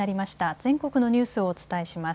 全国のニュースをお伝えします。